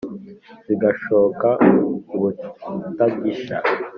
zigashoka ubutagisha